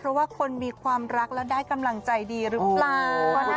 เพราะว่าคนมีความรักแล้วได้กำลังใจดีหรือเปล่า